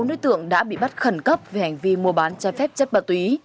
bốn đối tượng đã bị bắt khẩn cấp vì hành vi mua bán chai phép chất ma túy